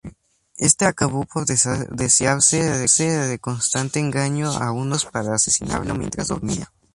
Éste acabó por deshacerse de Constante engañando a unos pictos para asesinarlo mientras dormía.